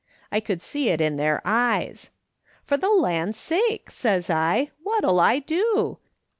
I could see it in their eyes. ' For the land's sake,' says I, ' what'll I do